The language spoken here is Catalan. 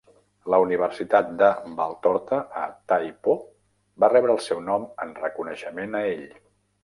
La Universitat de Valtorta, a Tai Po, va rebre el seu nom en reconeixement a ell.